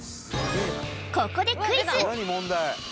ここでクイズ